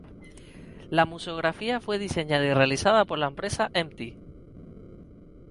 La museografía fue diseñada y realizada por la empresa Empty.